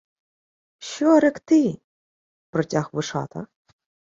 — Що... ректи? — протяг Вишата.